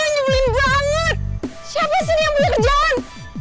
nyebelin banget siapa sih ini yang beli kerjaan